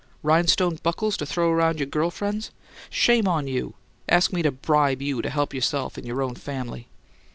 Rhinestone buckles to throw around on your 'girl friends?' Shame on you! Ask me to BRIBE you to help yourself and your own family!"